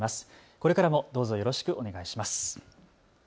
これからもどうぞよろしくお願いします。